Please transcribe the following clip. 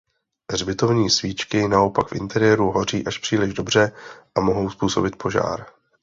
Hřbitovní svíčky naopak v interiéru hoří až příliš dobře a mohou způsobit požár.